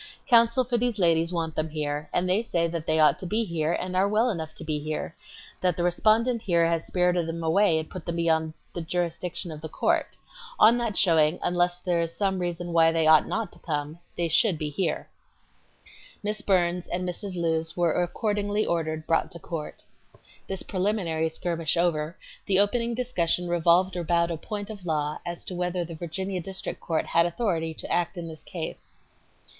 "Counsel for these ladies want them here; and they say that they ought to be here and are well enough to b here; that the respondent here has spirited them away and put them beyond the jurisdiction of the court. On that showing, unless there is some reason why they ought not to come, they should be here." Miss Burns and Mrs. Lewes were accordingly ordered brought to court. This preliminary skirmish over, the opening discussion revolved about a point of law as to whether the Virginia District Court had authority to act in this case.